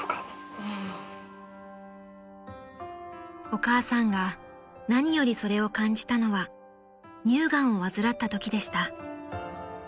［お母さんが何よりそれを感じたのは乳がんを患ったときでした］